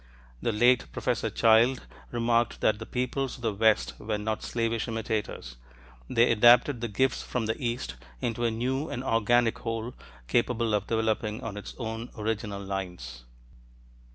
The late Professor Childe remarked that "the peoples of the West were not slavish imitators; they adapted the gifts from the East ... into a new and organic whole capable of developing on its own original lines."